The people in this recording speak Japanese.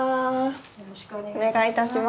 よろしくお願いします。